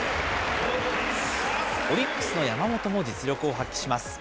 オリックスの山本も実力を発揮します。